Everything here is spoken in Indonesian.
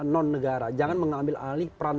non negara jangan mengambil alih peran